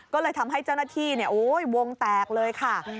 ก็เลยทำให้เจ้าหน้าที่เนี่ยโอ้ยวงแตกเลยค่ะ